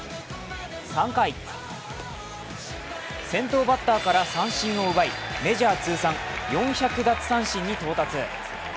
３回、先頭バッターから三振を奪い、メジャー通算４００奪三振に到達。